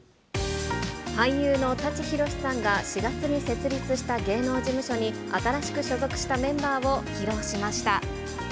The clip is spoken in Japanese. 俳優の舘ひろしさんが４月に設立した芸能事務所に、新しく所属したメンバーを披露しました。